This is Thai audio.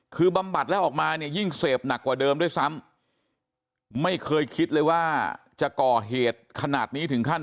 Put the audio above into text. คือบำบัดแล้วออกมาเนี่ยยิ่งเสพหนักกว่าเดิมด้วยซ้ำไม่เคยคิดเลยว่าจะก่อเหตุขนาดนี้ถึงขั้น